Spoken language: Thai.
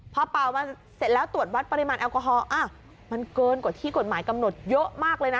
พอเป่ามาเสร็จแล้วตรวจวัดปริมาณแอลกอฮอลมันเกินกว่าที่กฎหมายกำหนดเยอะมากเลยนะ